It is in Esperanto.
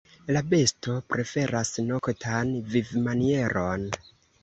La besto preferas noktan vivmanieron.